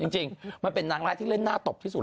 จริงมันเป็นนางร้ายที่เล่นหน้าตบที่สุด